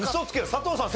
佐藤さん